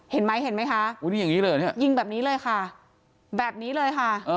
เห็นไหมชิงแบบนี้เลย